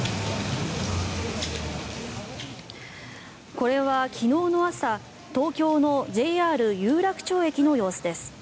これは、昨日の朝東京のＪＲ有楽町駅の様子です。